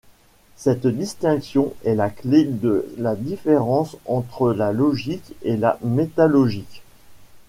Cette distinction est la clé de la différence entre la logique et la métalogique.